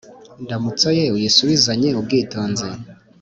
indamutso ye uyisubizanye ubwitonzi